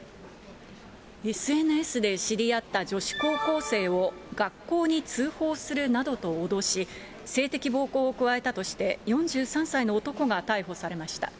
ＳＮＳで知り合った女子高校生を学校に通報するなどと脅し、性的暴行を加えたとして、４３歳の男が逮捕されました。